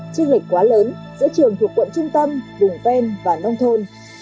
chức lệch quá lớn giữa trường thuộc quận trung tâm vùng ven và nông thôn